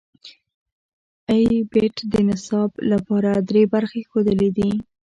ای بیټ د نصاب لپاره درې برخې ښودلې دي.